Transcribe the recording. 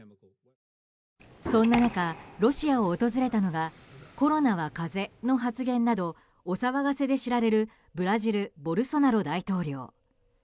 そんな中、ロシアを訪れたのはコロナは風邪の発言などお騒がせで知られるブラジル、ボルソナロ大統領。